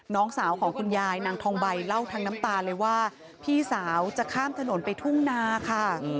น้องสาวของคุณยายนางทองใบเล่าทั้งน้ำตาเลยว่าพี่สาวจะข้ามถนนไปทุ่งนาค่ะ